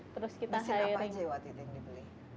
mesin apa aja waktu itu yang dibeli